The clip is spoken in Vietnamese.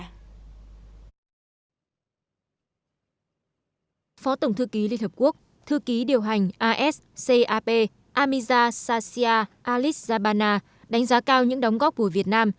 phó tổng thư ký liên hợp quốc thư ký điều hành s cap amida sanchia alitjabana đánh giá cao những đóng góp của việt nam